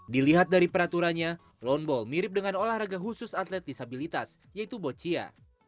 dilihat dari peraturannya loneball mirip dengan olahraga khusus atlet disabilitas yaitu boccia